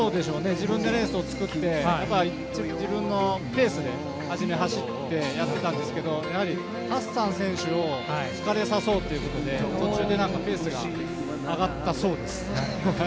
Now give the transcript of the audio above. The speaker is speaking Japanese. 自分でレースを作って自分のレースで初めは走ってやってたんですけどハッサン選手を疲れさせようということで途中でペースが上がったそうです。